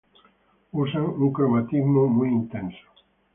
Usan un cromatismo muy intenso.